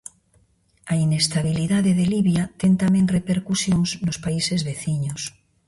A inestabilidade de Libia ten tamén repercusións nos países veciños.